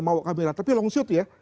mau kamera tapi long shoot ya